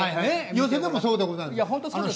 寄席でもそうでございます。